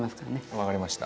分かりました。